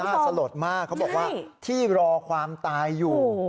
สลดมากเขาบอกว่าที่รอความตายอยู่